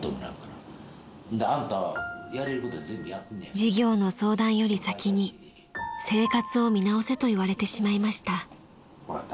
［事業の相談より先に生活を見直せと言われてしまいました］分かった？